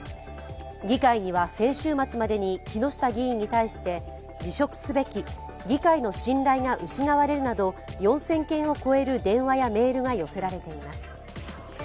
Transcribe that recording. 議会には先週末までに木下議員に対して、辞職すべき議会の信頼が失われるなど４０００件を超える電話やメールが寄せられています。